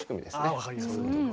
あ分かりやすい。